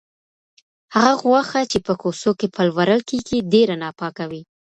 هغه غوښه چې په کوڅو کې پلورل کیږي، ډېره ناپاکه وي.